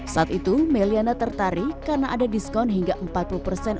saat itu meliana tertarik karena ada diskon hingga empat puluh persen